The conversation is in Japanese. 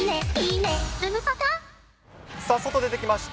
さあ、外出てきました。